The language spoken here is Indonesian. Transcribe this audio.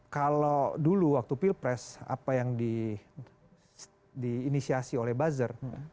kalau dulu waktu pilpres apa yang diinisiasi oleh buzzer